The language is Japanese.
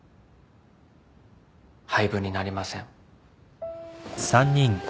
廃部になりません。